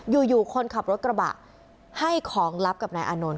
อยู่คนขับรถกระบะให้ของลับกับนายอานนท์